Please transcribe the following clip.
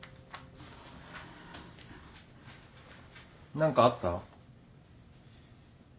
何かあった？